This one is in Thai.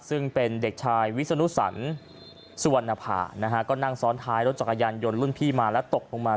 ซึ่งเป็นเด็กชายวิศนุสันสุวรรณภานะฮะก็นั่งซ้อนท้ายรถจักรยานยนต์รุ่นพี่มาแล้วตกลงมา